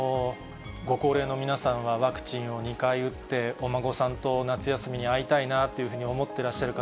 ご高齢の皆さんは、ワクチンを２回打って、お孫さんと夏休みに会いたいなっていうふうに思ってらっしゃる方